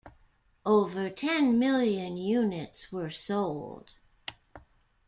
Over ten million units were sold.